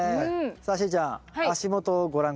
さあしーちゃん足元をご覧下さい。